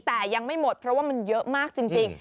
แต่ยังไม่หมดเพราะว่ามันเยอะมากจริง